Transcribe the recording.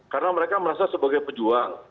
karena mereka merasa sebagai pejuang